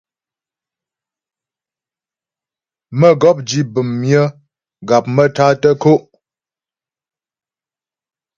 Mə́gɔp di bəm myə gap maə́tá tə́ kǒ'.